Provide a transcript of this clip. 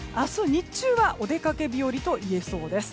日中はお出かけ日和といえそうです。